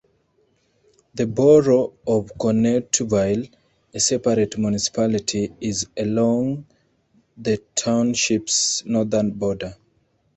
The borough of Conneautville, a separate municipality, is along the township's northern border.